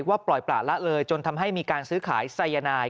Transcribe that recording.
ปล่อยประละเลยจนทำให้มีการซื้อขายสายนาย